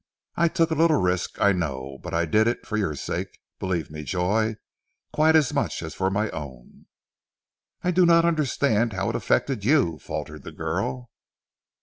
I took a little risk, I know; but I did it for your sake, believe me, Joy, quite as much as for my own." "I do not understand how it affected you," faltered the girl.